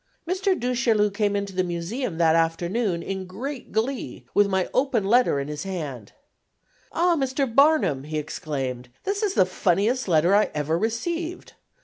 Mr. Du Chaillu came into the Museum that afternoon, in great glee, with my open letter in his hand. "Ah, Mr. Barnum," he exclaimed, "this is the funniest letter I ever received.